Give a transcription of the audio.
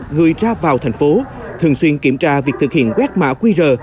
người ra vào thành phố thường xuyên kiểm tra việc thực hiện quét mã quy rờ